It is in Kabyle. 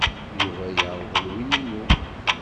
Yuba yerḍel win-inu.